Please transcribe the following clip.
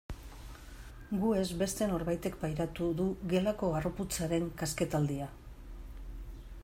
Gu ez beste norbaitek pairatu du gelako harroputzaren kasketaldia.